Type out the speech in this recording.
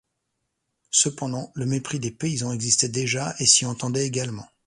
Cependant le mépris des paysans existait déjà et s'y entendait également.